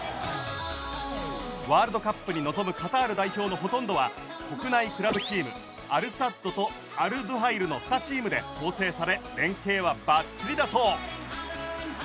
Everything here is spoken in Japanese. ワールドカップに臨むカタール代表のほとんどは国内クラブチームアルサッドとアルドゥハイルの２チームで構成され連係はバッチリだそう。